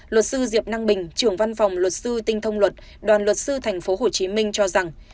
luật sư diệp năng bình trưởng văn phòng luật sư tinh thông luật đoàn luật sư tp hcm cho rằng